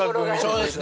そうです